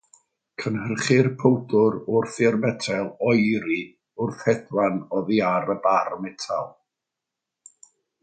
Cynhyrchir powdr wrth i'r metel oeri wrth hedfan oddi ar y bar metel.